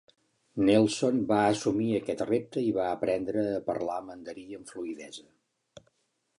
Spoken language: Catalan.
Nelson va assumir aquest repte i va aprendre a parlar mandarí amb fluïdesa.